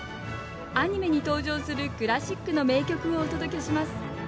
アニメに登場するクラシックの名曲をお届けします。